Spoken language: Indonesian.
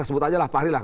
sebut aja lah pak hri lah